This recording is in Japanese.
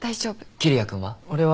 桐矢君は？俺は。